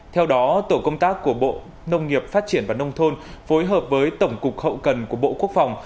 theo đó tổ công tác của bộ nông nghiệp phát triển và nông thôn phối hợp với tổng cục hậu cần của bộ quốc phòng